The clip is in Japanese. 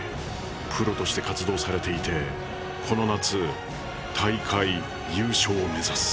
プロとして活動されていてこの夏大会優勝を目指す。